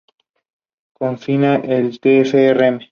Su mayor trabajo fue la creación del tercer logotipo de la Rede Globo.